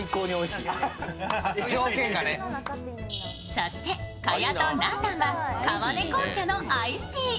そして賀屋となーたんは川根紅茶のアイスティー。